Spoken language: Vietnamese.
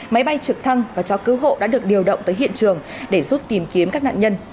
máy bay trực thăng và cho cứu hộ đã được điều động tới hiện trường để giúp tìm kiếm các nạn nhân